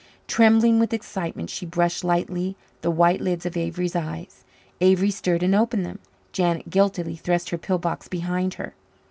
Trembling with excitement, she brushed lightly the white lids of Avery's eyes. Avery stirred and opened them. Janet guiltily thrust her pill box behind her.